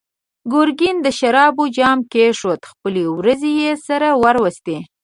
ګرګين د شرابو جام کېښود، خپلې وروځې يې سره وروستې.